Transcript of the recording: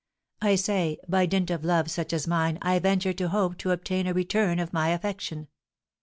I say, by dint of love such as mine I venture to hope to obtain a return of my affection.